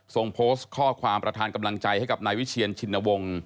ส่งโพสต์ข้อความประธานกำลังใจให้กับนายวิเชียนชินวงศ์